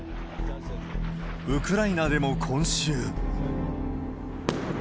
ウクライナでも今週。